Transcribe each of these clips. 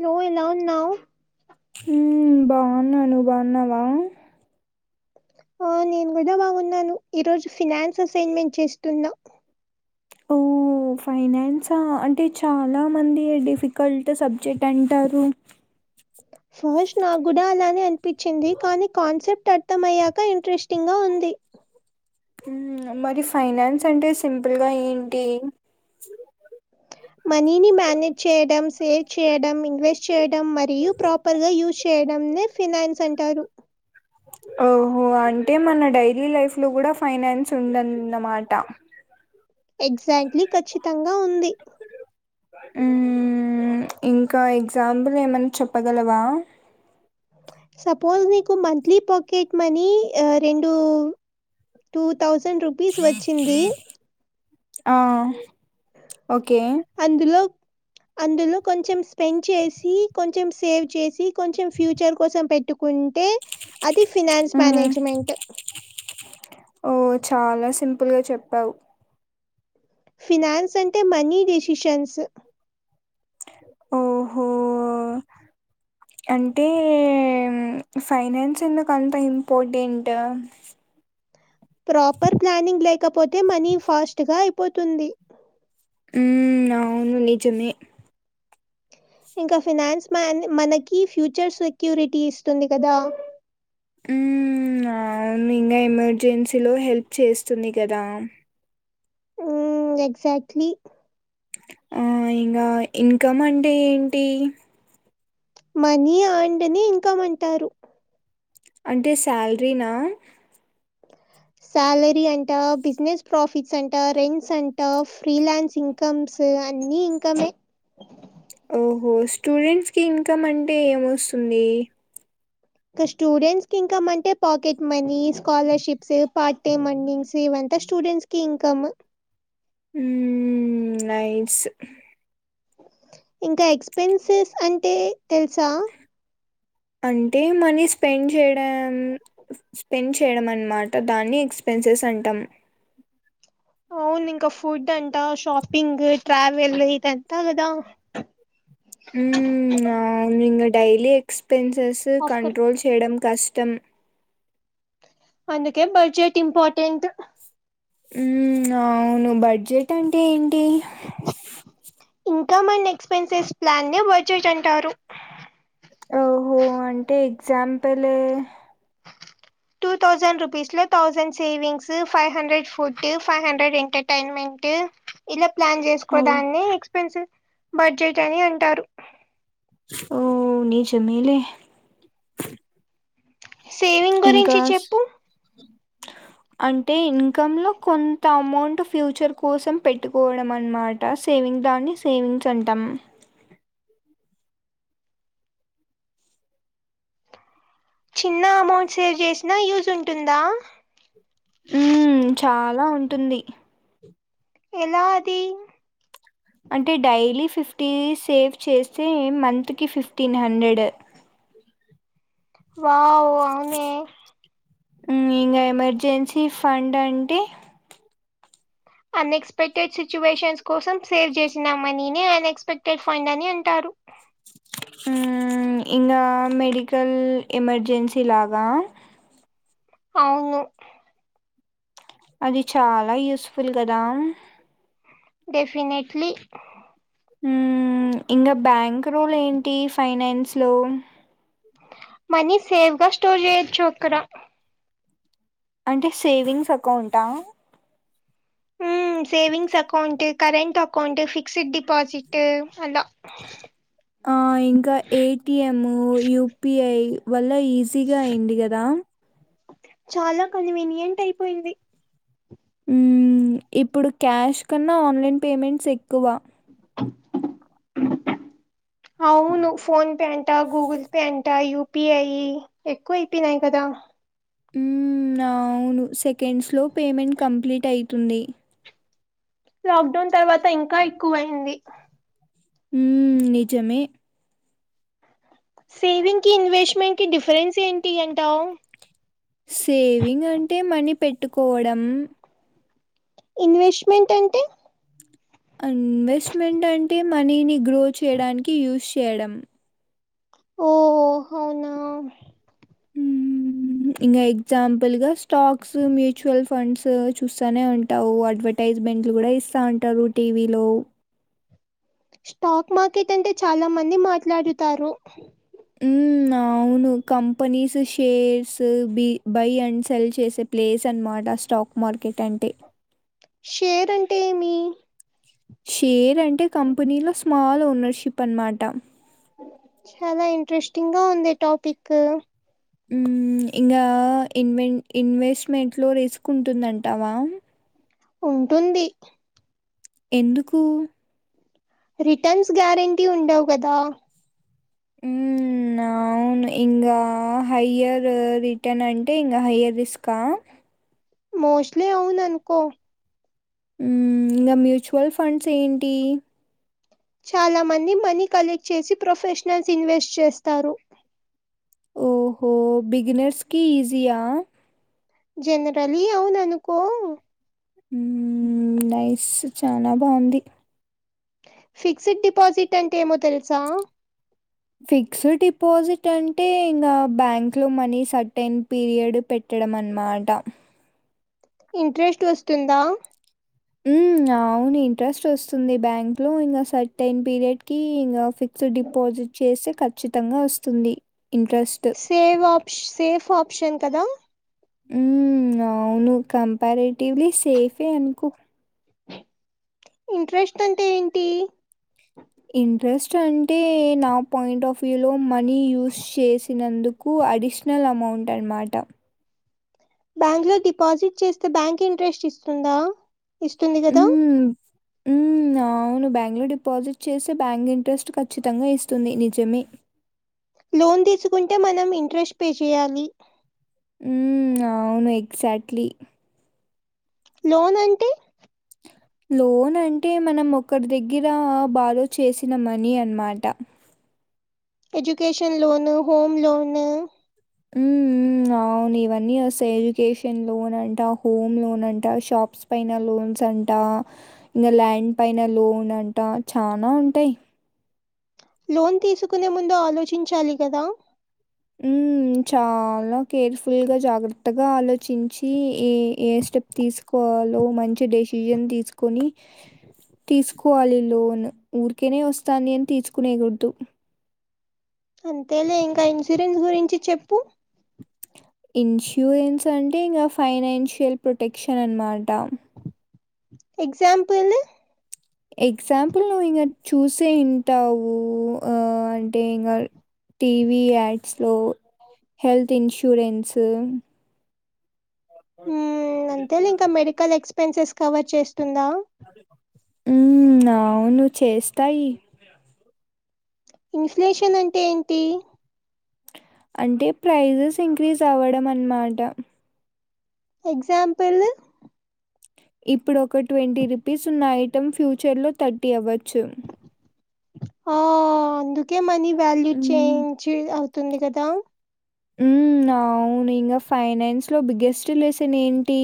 నువ్వు ఎలా ఉన్నావు ఉమ్ బాగున్నా నువ్వు బాగున్నావా ఆ నేను కూడా బాగున్నాను ఈరోజు ఫినాన్స్ అసైన్మెంట్ చేస్తున్నా ఓ ఫైనాన్స్ అంటే చాలా మంది డిఫికల్ట్ సబ్జెక్ట్ అంటారు ఫస్ట్ నాగ్గుడా అలానే అనిపించింది కానీ కాన్సెప్ట్ అర్థం అయ్యాక ఇంట్రెస్టింగ్ గా ఉంది ఉమ్ మరి ఫైనాన్స్ అంటే సింపుల్గా ఏంటి మనీని మానేజ్ చేయడం, సేవ్ చేయడం, ఇన్వెస్ట్ చేయడం మరియు ప్రాపర్ గా యూజ్ చేయడం న్నే ఫినాయిన్స్ అంటారు ఓహో అంటే మన డైలీ లైఫ్ లో గుడా ఫైనాన్స్ ఉందన్నమాట ఎగ్జాక్ట్లీ ఖచ్చితంగా ఉంది ఉమ్ ఇంకా ఎగ్జాంపుల్ ఏమన చెప్పగలవా సపోస్ నీకు మంత్లీ పాకెట్ మనీ ఆ రెండూ టూ థౌజండ్ రూపీస్ వచ్చింది ఆ ఓకే అందులో అందులో కొంచెం స్పెండ్ చేసి, కొంచెం సేవ్ చేసి, కొంచెం ఫ్యూచర్ కోసం పెట్టుకున్ టె అది ఫినాన్స్ హ్మ్. మానేజమెంట్ ఓహ్! చాలా సింపుల్గా చెప్పావు ఫినాన్స్ అంటే మనీ డెసిషన్స్ ఓహో అంటే ఫైనాన్స్ ఎందుకంత ఇంపార్టెంట్ ప్రాపర్ ప్లానింగ్ లేకపోతే మనీ ఫాస్ట్గా అయిపోతుంది ఉమ్ అవును నిజమే ఇంక ఫినాన్స్ మాన్ మనకి ఫ్యూచర్ సెక్యూరిటీ ఇస్తుంది గదా ఉమ్ ఆ ఇంకా ఎమర్జెన్సీలో హెల్ప్ చేస్తుంది గదా ఉమ్ ఎక్సాక్ట్లీ ఆ ఇంగా ఇన్కమ్ అంటే ఏంటి మనీ ఆండ్ ని ఇన్కం అంటారు అంటే సాలరీనా సాలరీ అంటా, బిజినెస్ ప్రాఫిట్స్ అంటా, రెంట్స్ అంటా ఫ్రీలాన్స్ ఇన్కమ్స్ అన్నీ ఇన్కమే ఓహో స్టూడెంట్స్ కి ఇన్కమ్ అంటే ఏమొస్తుంది ఇంక స్టూడెంట్స్ కి ఇన్కమంటే pocket money scholarships part time earnings ఇవంతా స్టూడెంట్స్ కి ఇంకమ్ ఉమ్ ఉమ్ నైస్ ఇంకా ఎక్స్పెన్సెస్ అంటే తెలుసా అంటే మనీ స్పెండ్ జేయడం స్పెండ్ చేయడమన్నమాట దాన్ని ఎక్స్పెన్సెస్ అంటాం అవును ఇంకా ఫుడ్ అంట, షాపింగ్, ట్రావెల్ ఇది అంత గదా ఉమ్ అవును డెయిలీ ఎక్స్పెన్సస్ ఆఫ్కర్ కంట్రోల్ చేయడం కష్ టం అందుకే బడ్జెట్ ఇంపార్టెంట్ ఉమ్ అవును బడ్జెట్ అంటే ఏంటి కం అండ్ ఎక్స్పెన్సెస్ ప్లాన్ నే బడ్జేట్ అంటారు ఓహో అంటే ఎగ్జాంపల్ టూ తౌజండ్ రుపీస్ లో thousand savings five hundred food five hundred entertainment తే ఇలా ప్లాన్ ఓ చేసుకోదాన్ని ఎక్స్పెన్సివ్ బడ్జెట్ అని అంటారు ఓ నిజమేలే సేవింగ్ ఇంకా గురించి స్- చెప్పు అంటే ఇన్కమ్ లో కొంత అమౌంట్ ఫ్యూచర్ కోసం పెట్టుకోవడం అనమాట సేవింగ్ దాన్ని సేవింగ్స్ అంటం చిన్న అమౌంట్ సేవ్ చేసినా యూజ్ ఉంటుందా ఉమ్ చాలా ఉంటుంది ఎలా ఆది టీవీ సేవ్ చేస్తే మంత్కి ఫిఫ్టీన్ హండ్రెడ్ వావ్ అవునే ఉమ్ ఇంకా ఎమర్జెన్సీ ఫండ్ అంటే అన్ఎక్స్పెక్టెడ్ సిచ్యువేషన్స్ కోసం సేవ్ చేసిన మనీని అన్ఎక్స్పెక్టెడ్ ఫండ్ అని అంటారు ఉమ్ ఇంగా మెడికల్ ఎమర్జెన్సీ లాగా అవును అది చాలా యూస్ఫుల్ కదా డెఫినెట్లీ ఉమ్ ఇంకా బ్యాంక్ రోల్ ఏంటి ఫైనాన్స్ లో మనీ సేఫ్గా స్టోర్ చేయొచ్చు అక్కడ అంటే సేవింగ్స్ అకౌంటా ఉమ్ ఉమ్ savings account current account fixed deposit అలా ఆ ఇంకా ఏటిఎం యూపిఐ వల్ ఇలా ఈజీగా అయింది కదా చాలా కన్వీనియంట్ అయిపోయింది ఉమ్ ఇప్పుడు క్యాష్ కన్నా ఆన్లైన్ పేమెంట్స్ ఎక్కువ అవును ఫోన్ పే అంట గూగుల్ పే అంట యూపిఐ ఎక్కువ అయిపోనయి కదా ఉమ్ అవును సెకండ్స్ లో పేమెంట్ కంప్లీట్ అయితుంది లాక్డౌన్ తర్వాత ఇంకా ఎక్కువయింది ఉమ్ నిజమే సేవింగ్ కి ఇన్వెస్ట్మెంట్ కి డిఫరెన్స్ ఏంటి అంటా సేవింగ్ అంటే మనీ పెట్టుకోవడం ఇన్వెస్ట్మెంట్ అంటే అన్వెస్ట్మెంట్ అంటే మనీని గ్రో చేయడానికి యూజ్ చేయడం ఓహో అవునా ఇంకా ఎగ్జాంపుల్ గా స్టాక్స్ మ్యూచువల్ ఫండ్స్ చూస్తానే ఉంటావు అడ్వైటై ఐస్మెంట్ కూడా ఇస్తా ఉంటారు టీవలో స్టాక్ మార్కెట్ అంటే చాలా మంది మాట్లాడుతారు అన్ అవును కంపెనీస్ షేర్స్ బి బై అండ్ సెల్ చేసే ప్లే స్ అన్మాట స్టాక్ మార్కెట్ అంటే షేర్ అంటే ఏమి షేర్ అంటే కంపెనీలో స్మాల్ ఓనర్షిప్ అనమాట చాలా ఇంట్రెస్ట్స్ంగ ఉంది టాపిక్ ఉమ్ ఇంకా ఇన్వె ఇన్వెస్ట్మెంట్లో రిస్క్ ఉంటుందంటావా ఉంటుంది ఎందుకు రిటర్న్స్ గ్యారెంటీ ఉండవు కదా ఉమ్ ఇంగా హయ్యర్ రిటర్న్ అంటే ఇంకా హయ్యర్ రిస్క్ ఆ మోస్ట్లీ అవును అనుకో ఉహ్మ్ ఇంకా మ్యూచువల్ ఫండ్స్ ఏంటి చాలా మంది మనీ కలెక్ట్ చేసి ప్రొఫెషనల్స్ ఇన్వెస్ట్ చేస్తారు ఓహో బిగినర్స్ కి ఈజీ ఆ జనరల్లీ అవును అనుకో ఊ నైస్ చానా బాగుంది ఫిక్స్డ్ డిపాజిట్ అంటే ఏమో తెలుసా ఫిక్స్డ్ డిపాజిట్ అంటే ఇంకా బ్యాంకు లో మనీ సర్టైన్ పీరియడ్ పెట్ వేడం అన్నమాట ఇంట్రెస్ట్ వస్తుందా ఉహ్మ్ అవును ఇంట్రెస్ట్ వస్తుంది బ్యాంక్ లో ఇంకా సర్టెన్ పీరియడ్ కి ఇంకా ఫిక్ ఫిక్స్డ్ డిపాజిట్ చేస్తే ఖచ్చితంగా వస్తుంది సేవ్ ఆప్స్ సేఫ్ ఆప్షన్ కదా ఉ అవును కంపారేటివ్లీ సేఫ్ ఏయ్ అనుకో ఇంట్రెస్ట్ అంటే ఏంటి ఇంట్రెస్ట్ అంటే నా పాయింట్ ఆఫ్ వ్యూ లో మనీ యూస్ చేసినందుకు కు అడిషనల్ అమౌంట్ అన్నమాట బ్యాంక్ లో డిపాజిట్ చేస్తే బ్యాంక్ ఇంట్రెస్ట్ ఇస్తుందా ఇస్తుంది కదా ఉ అ అవును బ్యాంక్లో డిపాజిట్ చేసే బ్యాంక్ ఇంట్రెస్ట్ ఖచ్చితంగా ఇస్తుంది నిజమే లోన్ తీసుకుంటే మనం ఇంట్రెస్ట్ పే చేయాలి ఉ అవును ఎగ్జాక్ట్లీ లోన్ అంటే లోన్ అంటే మనం ఒక్కరి దగ్గర బారో చేసిన మినీ అన్నమాట ఎడ్యుకేషన్ లోన్ హోమ్ లోన్ ఉ ఉ ఉ అవును ఇవన్నీ వస్తాయి ఎడ్యుకేషన్ లోన్ అంట హోమ్ లోన్ అంట షాప్స్ పైన లోన్ సన్స్ అంటా ఇంకా ల్యాండ్ పైనా లోన్ అంట చానా ఉంటాయి లోన్ తీసుకునే ముందు ఆలోచించాలి కదా ఉ ఉహ్మ్ చాలా కేర్ఫుల్గా జాగ్రత్తగా ఆలోచించి ఏ ఏ స్టెప్ తీసుకో వాళ్ళో మంచి డెసిషన్ తీసుకొని తీసుకోవాలి లోన్ ఊరికేనే వస్తాంది అని తీసుకునేది వద్దు అంతే లే ఇంకా ఇన్సూరెన్స్ గురించి చెప్పు ఇన్సూరెన్స్ అంటే ఇంకా ఫైనాన్షియల్ ప్రొటెక్షన్ అన్నమాట ఎగ్జాంపుల్ ఎగ్జాంపుల్ నువ్వు ఇంకా చూసే ఉంటావు ఆ డేయేంగర్ టీవీ యాడ్స్ లో హెల్త్ ఇన్షూరెన్స్ ఉ మ్మ్ అంతే లే ఇంకా మెడికల్ ఎక్స్పెన్సెస్ కవర్ చేస్తుందా మ్మ్ అవును చేస్తాయి ఇన్ఫ్లేషన్ అంటే ఏంటి అంటే ప్రైజెస్ ఇంక్రీజ్ అవ్వడం అన్నమాట ఎగ్జాంపులు ఇప్పుడు ఒక ట్వంటీ రూపీస్ ఉన్న ఐటెం ఫ్యూచర్ లో థర్టీ అవ్వచ్చు ఆ అందుకే మనీ వాల్యూ హ్మ్. చేయింజు అవుతుంది కదా మ్మ్ అవును ఇంకా ఫైనాన్స్ లో బిగ్గెస్ట్ లెసన్ ఏంటి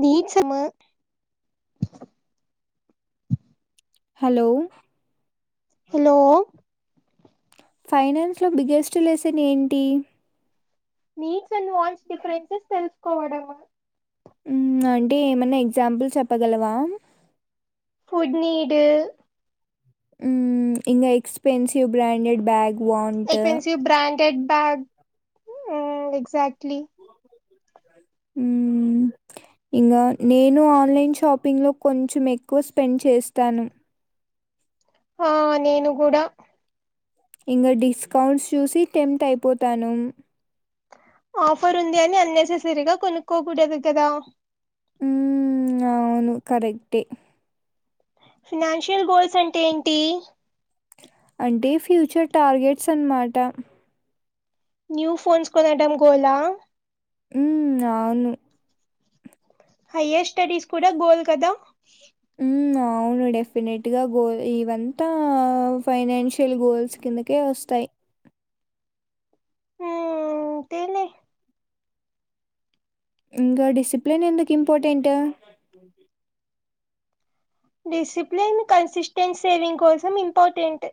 నీచము హలో హలో ఫైనాన్స్ లో బిగ్గెస్ట్ లెసన్ ఏంటి నీట్స్ అండ్ వాల్స్ డిఫరెన్సెస్ తెలుసుకోవడము మ్మ్ అంటే ఏమన్నా ఎగ్జాంపుల్ చెప్పగలవా ఫుడ్ నీడు మ్మ్ ఇంగ expensive branded bag want. Expensive branded bags మ్మ్ ఎక్జాక్ట్లీ మ్మ్ ఇంకా నేను ఆన్లైన్ షాపింగ్ లో కొంచెం ఎక్కువ స్పెండ్ చేస్తాను ఆ నేను కూడా ఇంగ డిస్కౌంట్స్ చూసి టెంప్ట్ అయిపోతాను ఆఫర్ ఉంది అని అన్నెసెసరీగా కొనుక్కోకూడదు కదా ఉ అవును కరెక్టే ఫినాన్షియల్ గోల్స్ అంటే ఏంటి అంటే ఫ్యూచర్ టార్గెట్స్ అనమాట న్యూ ఫోన్స్ కొనడం గోలా మ్మ్ అవును హైయ్యర్ స్టడీస్ కూడా గోల్ కదా మ్మ్ అవును డెఫినెట్గా గోల్ ఇవంతా ఫైనాన్ష్ షియల్ గోల్స్ కిందకే వస్తాయి హ్మ్ అంతేలే ఇంకా డిసిప్లేన్ ఎందుకు ఇంపార్టెంట్ డిసిప్లేన్ కన్సిస్టెన్ సేవింగ్ కోసం ఇంపార్టెంట్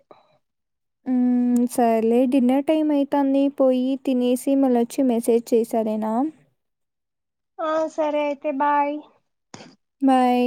సరేలే డిన్నర్ టైం అవుతంది పోయి తినేసి మళ్ళ వచ్చి మెసేజ్ చెయ్ సరేనా ఆ సరే అయితే బాయ్ బాయ్